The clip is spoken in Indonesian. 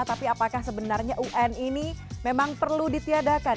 tapi apakah sebenarnya un ini memang perlu ditiadakan